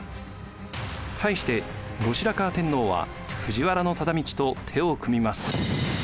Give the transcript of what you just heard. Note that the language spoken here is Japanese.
対して後白河天皇は藤原忠通と手を組みます。